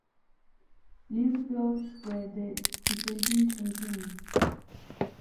Linfield were the defending champions.